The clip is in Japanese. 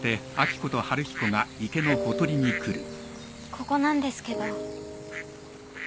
ここなんですけど。